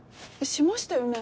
しましたよね？